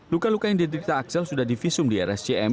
luka luka yang diderita aksel sudah divisum di rsjm